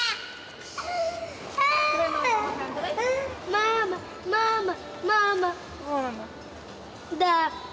ママママママ。